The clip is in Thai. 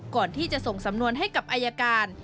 ก่อนที่จะส่งสำนวนให้กับอายการ